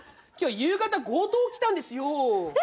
今日夕方強盗来たんですよ。